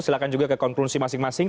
silahkan juga ke konklusi masing masing